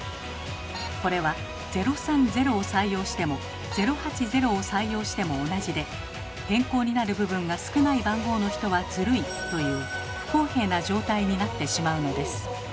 これは「０３０」を採用しても「０８０」を採用しても同じで「変更になる部分が少ない番号の人はズルい」という不公平な状態になってしまうのです。